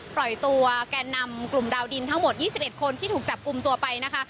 ปล่อยตัวแกนนำกลุ่มดาวดินทั้งหมด๒๑คนที่ถูกจับกลุ่มตัวไปนะคะ